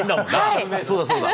そうだそうだ。